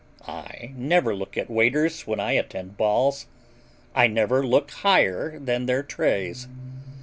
I never look at waiters when I attend balls. I never look higher than their trays.